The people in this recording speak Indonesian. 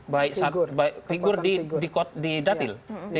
baik figur di dapil